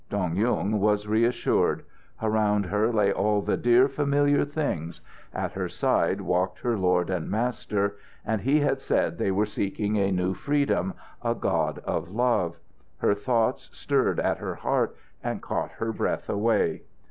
Dong Yung was reassured. Around her lay all the dear familiar things; at her side walked her lord and master. And he had said they were seeking a new freedom, a God of love. Her thoughts stirred at her heart and caught her breath away.